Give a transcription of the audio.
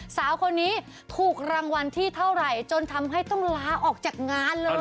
สาวคนนี้ถูกรางวัลที่เท่าไหร่จนทำให้ต้องลาออกจากงานเลย